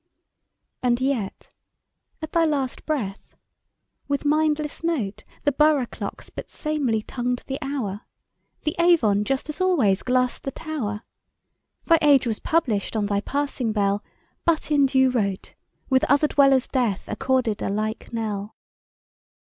And yet, at thy last breath, with mindless note The borough clocks but samely tongued the hour, The Avon just as always glassed the tower, Thy age was published on thy passing bell But in due rote With other dwellers' deaths accorded a like knell.